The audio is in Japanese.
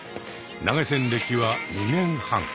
投げ銭歴は２年半。